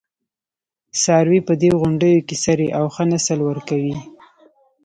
څاروي په دې غونډیو کې څري او ښه نسل ورکوي.